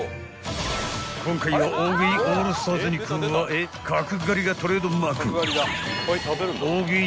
［今回は大食いオールスターズに加え角刈りがトレードマーク大食い自慢の］